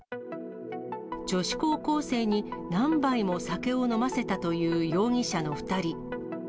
女子高校生に何杯も酒を飲ませたという容疑者の２人。